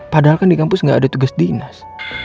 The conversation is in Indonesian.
padahal kan di kampus nggak ada tugas dinas